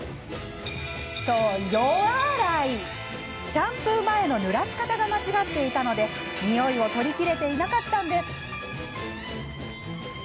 シャンプー前のぬらし方が間違っていたので、においを取りきれていなかったんです。